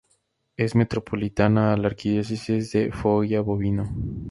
Es metropolitana a la Arquidiócesis de Foggia-Bovino.